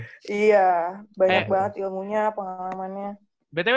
iya banyak banget ilmunya pengalamannya